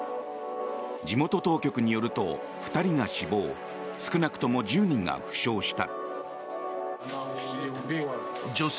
地元当局によると２人が死亡少なくとも１０人が負傷した。